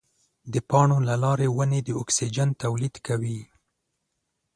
د پاڼو له لارې ونې د اکسیجن تولید کوي.